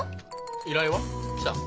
依頼は？来た？